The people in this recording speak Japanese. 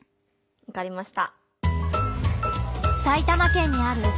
わかりました。